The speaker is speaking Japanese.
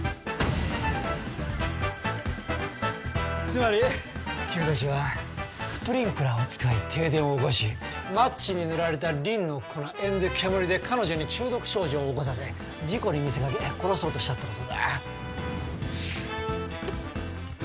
つまり君たちはスプリンクラーを使い停電を起こしマッチに塗られたりんの粉＆煙で彼女に中毒症状を起こさせ事故に見せかけ殺そうとしたって事だ。